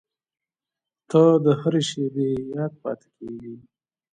• ته د هر شېبې یاد پاتې کېږې.